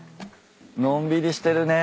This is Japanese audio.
のんびりしてるね。